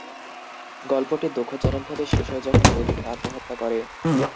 গল্পটি দুঃখজনকভাবে শেষ হয় যখন ডেলফিন আত্মহত্যা করে।